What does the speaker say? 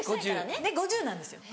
ねっ５０歳なんですよ。